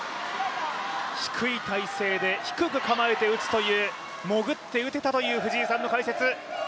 低い体勢で低く構えて打つという潜って打てたという藤井さんの解説。